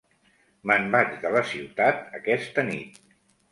Me'n vaig de la ciutat aquesta nit.